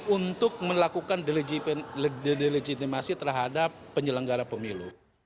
untuk melakukan delegitimasi terhadap penyelenggara pemilu